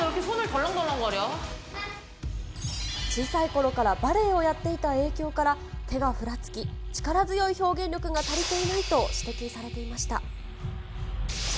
小さいころからバレエをやっていた影響から、手がふらつき、力強い表現力が足りていないと指摘されていました。